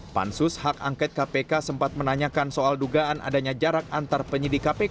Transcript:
pansus hak angket kpk sempat menanyakan soal dugaan adanya jarak antar penyidik kpk